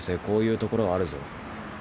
こういうところあるぞ。